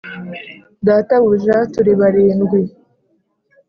“databuja! turi barindwi. ”